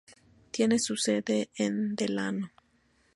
Tiene su sede en Delano.